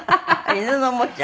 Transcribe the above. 犬のおもちゃ？